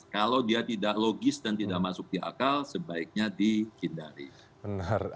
kalau dia tidak logis dan tidak masuk di akal sebaiknya dihindari